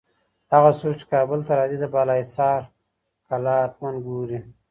هغه څوک چي کابل ته راځي، د بالاحصار کلا حتماً ګوري.